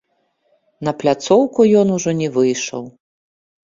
На пляцоўку ён ужо не выйшаў.